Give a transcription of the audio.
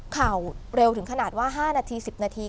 ข่าวเร็วถึงขนาดว่า๕นาที๑๐นาที